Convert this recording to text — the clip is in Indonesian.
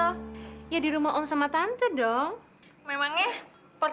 kalau ada yang mau berhasil